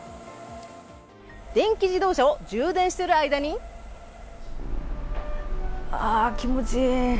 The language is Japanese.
電気自動車を充電している間に気持ちいい。